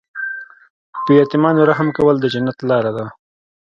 په یتیمانو رحم کول د جنت لاره ده.